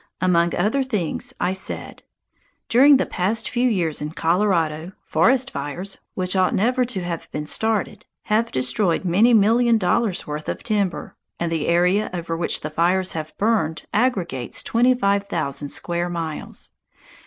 Among other things I said: "During the past few years in Colorado, forest fires, which ought never to have been started, have destroyed many million dollars' worth of timber, and the area over which the fires have burned aggregates twenty five thousand square miles.